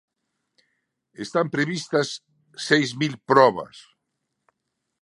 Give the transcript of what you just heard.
Están previstas seis mil probas.